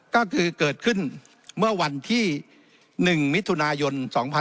ก็คือเกิดขึ้นเมื่อวันที่๑มิถุนายน๒๕๖๒